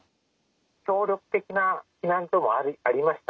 協力的な避難所もありました